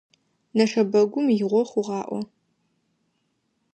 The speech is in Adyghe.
Нэшэбэгум игъо хъугъаӀо.